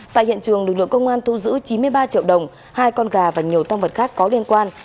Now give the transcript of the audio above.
tại hiện trường lực lượng công an thu giữ chín mươi ba triệu đồng hai con gà và nhiều tăng vật khác có liên quan